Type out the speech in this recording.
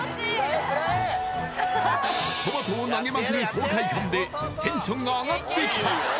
トマトを投げまくる爽快感でテンションが上がってきた！